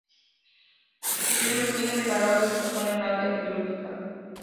Estudió medicina en Zaragoza y destacó en el área quirúrgica.